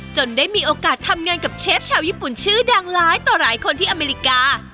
ได้มีโอกาสทำงานกับเชฟชาวญี่ปุ่นชื่อดังร้ายต่อหลายคนที่อเมริกา